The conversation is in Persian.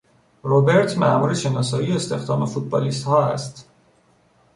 روبرت مامور شناسایی و استخدام فوتبالیستها است.